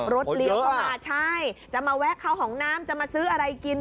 เลี้ยวเข้ามาใช่จะมาแวะเข้าห้องน้ำจะมาซื้ออะไรกิน